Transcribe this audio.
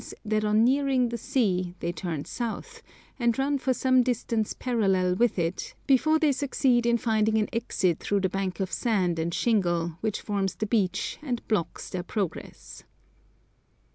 that on nearing the sea they turn south, and run for some distance parallel with it, before they succeed in finding an exit through the bank of sand and shingle which forms the beach and blocks their progress.